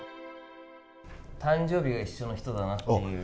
誕生日が一緒の人だなっていう。